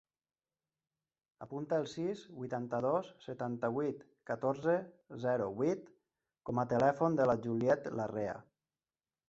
Apunta el sis, vuitanta-dos, setanta-vuit, catorze, zero, vuit com a telèfon de la Juliet Larrea.